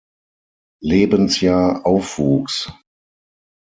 Lebensjahr aufwuchs.